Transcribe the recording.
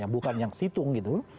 bukan yang situng gitu